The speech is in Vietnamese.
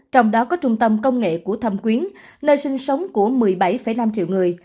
trong đó có trung tâm công nghệ của thâm quyến nơi sinh sống của một mươi bảy năm triệu người